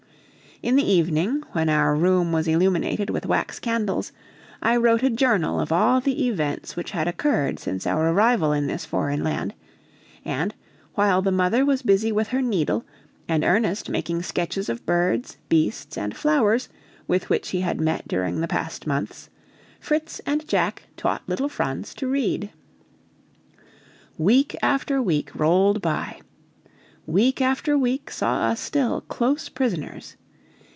In the evening, when our room was illuminated with wax candles, I wrote a journal of all the events which had occurred since our arrival in this foreign land; and, while the mother was busy with her needle and Ernest making sketches of birds, beasts, and flowers with which he had met during the past months, Fritz and Jack taught little Franz to read. Week after week rolled by. Week after week saw us still close prisoners.